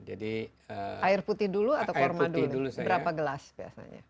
air putih dulu atau korma dulu berapa gelas biasanya